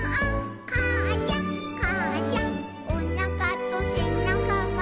「かあちゃんかあちゃん」「おなかとせなかが」